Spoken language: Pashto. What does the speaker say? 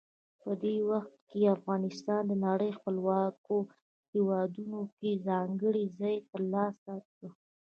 په دې وخت کې افغانستان د نړۍ خپلواکو هیوادونو کې ځانګړی ځای ترلاسه کړ.